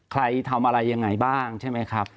ใครทำอะไรยังไงบ้างใช่ไหมครับ